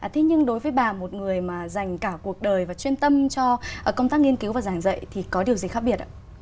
thế nhưng đối với bà một người mà dành cả cuộc đời và chuyên tâm cho công tác nghiên cứu và giảng dạy thì có điều gì khác biệt ạ